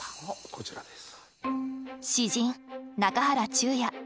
こちらです。